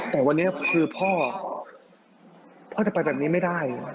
แต่วันนี้คือพ่อพ่อจะไปแบบนี้ไม่ได้